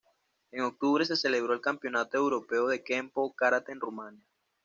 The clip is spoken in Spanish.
En octubre se celebró el Campeonato Europeo de Kenpo Karate en Rumania.